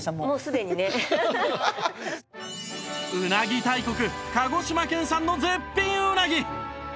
うなぎ大国鹿児島県産の絶品うなぎ！